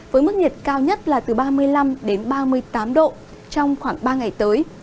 với mức nhiệt cao nhất là từ ba mươi năm đến ba mươi tám độ trong khoảng ba ngày tới